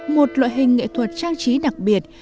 một loại hình nghệ thuật trang trí đặc biệt